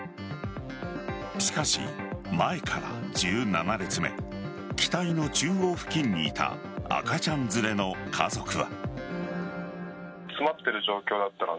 しかし、前から１７列目機体の中央付近にいた赤ちゃん連れの家族は。